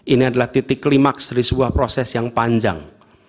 ini adalah titik klimaks dari sebuah proses yang panjang